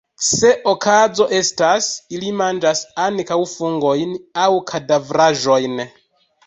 Se okazo estas, ili manĝas ankaŭ fungojn aŭ kadavraĵojn.